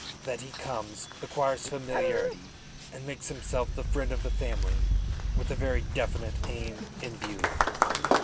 That he comes, acquires familiarity and makes himself the friend of the family with a very definite aim in view."